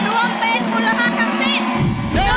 รวมเป็นมูลภาพทางสิทธิ์